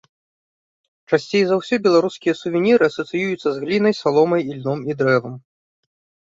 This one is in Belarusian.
Часцей за ўсё беларускія сувеніры асацыююцца з глінай, саломай, ільном і дрэвам.